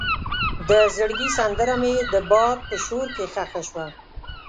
د زړګي سندره مې د باد په شور کې ښخ شوه.